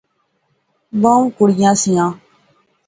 بہوں کڑیاں سیاں